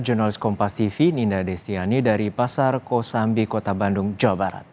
jurnalis kompas tv ninda destiani dari pasar kosambi kota bandung jawa barat